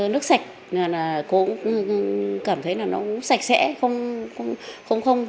nước sạch là cô cũng cảm thấy nó sạch sẽ không không